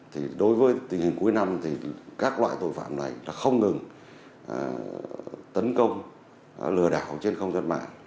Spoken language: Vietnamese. thì đối với tình hình cuối năm thì các loại tội phạm này là không ngừng tấn công lừa đảo trên không gian mạng